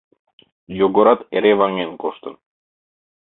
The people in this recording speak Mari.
Йогорат эре ваҥен коштын.